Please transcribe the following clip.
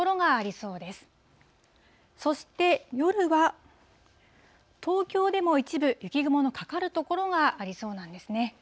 そして、夜は、東京でも一部、雪雲のかかる所がありそうなんですね。